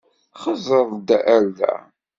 Xeẓẓeṛ-d ar da!